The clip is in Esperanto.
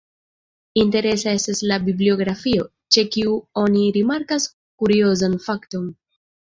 Interesa estas la bibliografio, ĉe kiu oni rimarkas kuriozan fakton.